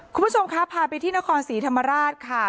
คุณผู้ชมครับพาไปที่นครศรีธรรมราชค่ะ